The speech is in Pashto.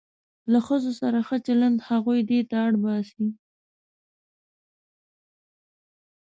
له ښځو سره ښه چلند هغوی دې ته اړ باسي.